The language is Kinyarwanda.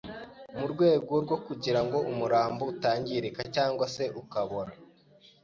mu rwego rwo kugirango umurambo utangirika cyangwa se ukabora